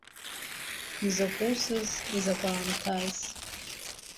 Изакә усыз, изакә аамҭаз…